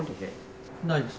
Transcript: ないです。